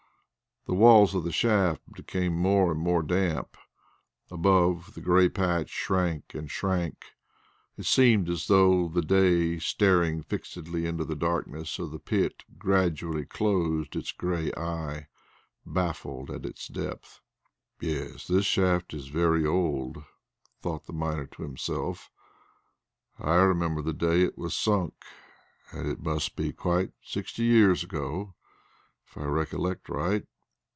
The walls of the shaft became more and more damp. Above, the grey patch shrank and shrank. It seemed as though the day staring fixedly into the darkness of the pit gradually closed its grey eye, baffled at its depth. "Yes, this shaft is very old," thought the miner to himself; "I remember the day it was sunk, and it must be quite sixty years ago, if I recollect right.